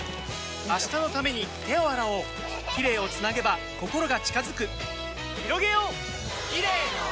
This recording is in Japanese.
明日のために手を洗おうキレイをつなげば心が近づくひろげようキレイの輪！